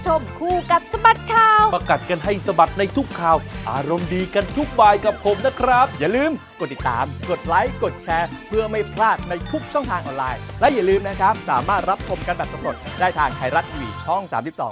จับตาดูเอาไว้เด็กคนนี้กัน